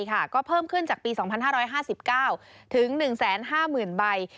ก็เพิ่มขึ้นจากปี๒๕๕๙ถึง๑๕๐๐๐ใบ